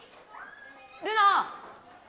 ・ルナ！